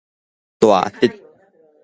大直